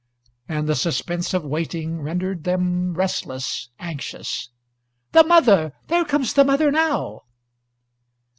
And the suspense of waiting rendered them restless, anxious. "The mother! There comes the mother now!"